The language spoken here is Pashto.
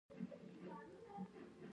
هغه وویل ښځه پر ځانګړو څوکیو ناسته ده.